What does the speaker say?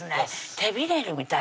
手びねりみたい